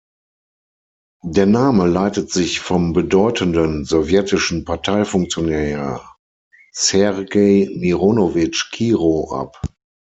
Der Name leitet sich vom bedeutenden sowjetischen Parteifunktionär Sergei Mironowitsch Kirow ab.